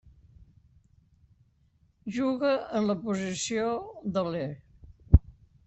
Juga en la posició d'aler.